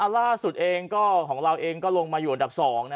ล่าสุดเองของเราเองก็ลงมาอยู่อันดับ๒